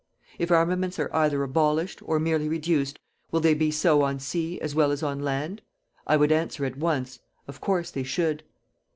If armaments are either abolished, or merely reduced, will they be so on sea as well as on land? I would answer at once: of course, they should.